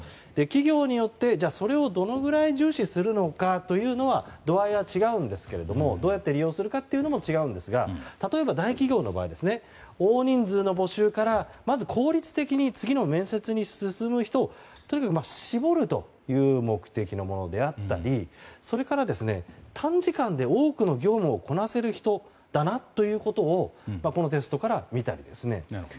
企業によってそれをどのぐらい重視するのかは度合いは違うんですがどうやって利用するかというのも違うんですが、例えば大企業の場合は大人数の募集からまず効率的に、次の面接に進む人をとにかく絞るという目的のものであったりそれから、短時間で多くの業務をこなせる人だなということをこのテストから見たいんですね。